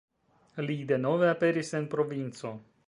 Li denove aperis en provinco.